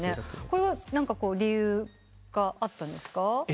これは何か理由があったんですか？